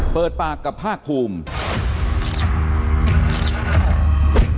เปิดปากกับภาคภูมิ